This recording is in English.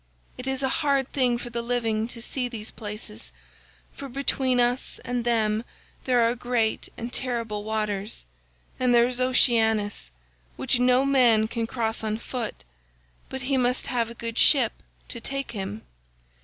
It is a hard thing for the living to see these places, for between us and them there are great and terrible waters, and there is Oceanus, which no man can cross on foot, but he must have a good ship to take him.